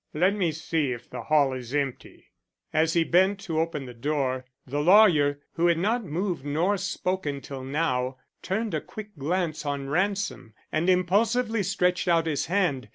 Let me see if the hall is empty." As he bent to open the door, the lawyer, who had not moved nor spoken till now, turned a quick glance on Ransom and impulsively stretched out his hand.